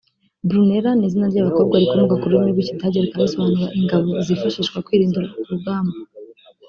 Brunella ni izina ry’abakobwa rikomoka ku rurimi rw’Ikidage rikaba risobanura “Ingabo zifashiswa kwirinda ku rugamba”